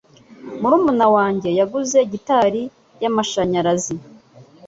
Murumuna wanjye yaguze gitari yamashanyarazi.